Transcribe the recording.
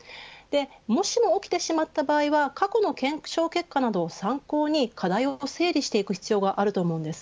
もしも起きてしまった場合は過去の検証結果などを参考に課題を整理していく必要があります。